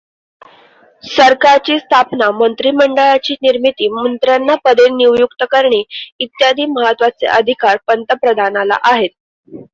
सरकारची स्थापना, मंत्रीमंडळाची निर्मिती, मंत्र्यांना पदे नियुक्त करणे इत्यादी महत्त्वाचे अधिकार पंतप्रधानाला आहेत.